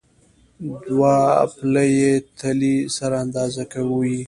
دوه پله یي تلې سره اندازه کوو.